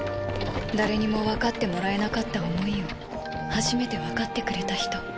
誰にも分かってもらえなかった思いを初めて分かってくれた人。